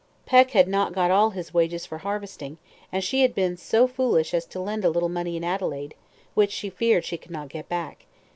Peck had not got all his wages for harvesting, and she had been so foolish as to lend a little money in Adelaide, which she feared she could not get back.